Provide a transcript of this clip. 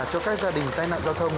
cho các gia đình tài nạn giao thông